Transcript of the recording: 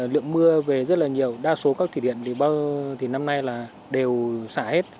lượng mưa về rất là nhiều đa số các thủy điện thì năm nay là đều xả hết